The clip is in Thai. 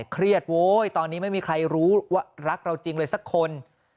เครียดโว้ยตอนนี้ไม่มีใครรู้ว่ารักเราจริงเลยสักคน